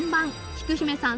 きく姫さん